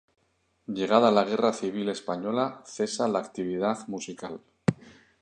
Llegada la Guerra Civil Española, cesa la actividad musical.